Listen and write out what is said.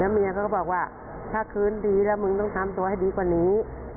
เมียเขาก็บอกว่าถ้าคืนดีแล้วมึงต้องทำตัวให้ดีกว่านี้